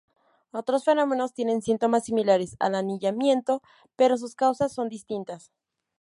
Otros fenómenos tienen síntomas similares al anillamiento, pero sus causas son distintas.